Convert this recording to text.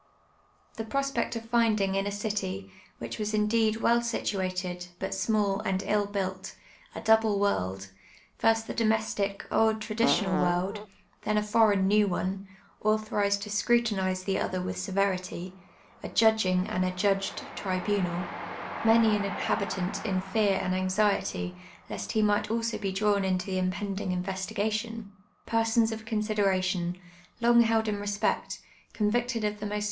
llic ])rospect of finding in a city, which Mas indeed well situ tcd, but small and ill built, a d<mble world; first the domestic, 1(1 traditional world, then a foreign new one, authorized to ( rutiuize the other with severity, — a judging and a judged ibunal ; many an inhabitant in fear and anxiety, lest ho iui; ht also ])<• dra\Nni into the impending investigation ; pcTsond )i consideration, lon;^ held in respect, convicted of tlie most 462 TurTii AND poetry; fhom my cwn rrrr.